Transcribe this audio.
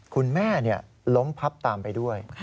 คุณแม่ล้มพับตามไปด้วย